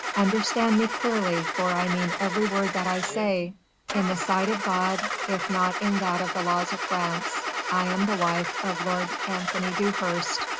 Understand me clearly, for I mean every word that I say. In the sight of God if not in that of the laws of France I am the wife of Lord Anthony Dewhurst.